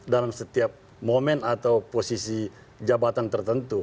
dalam setiap momen atau posisi jabatan tertentu